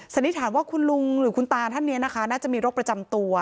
นิษฐานว่าคุณลุงหรือคุณตาท่านนี้นะคะน่าจะมีโรคประจำตัว